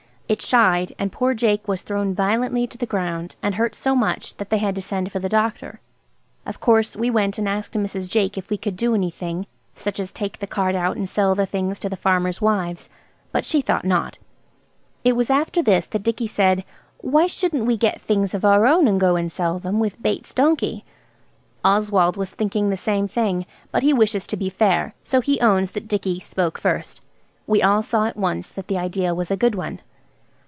It shied, and poor Jake was thrown violently to the ground, and hurt so much that they had to send for the doctor. Of course we went and asked Mrs. Jake if we could do anything–such as take the cart out and sell the things to the farmers' wives. But she thought not. It was after this that Dicky said– "Why shouldn't we get things of our own and go and sell them–with Bates' donkey?" Oswald was thinking the same thing, but he wishes to be fair, so he owns that Dicky spoke first. We all saw at once that the idea was a good one.